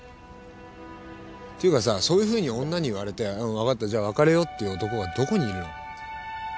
ていうかさそういうふうに女に言われてうん分かったじゃあ別れようって言う男がどこにいるの？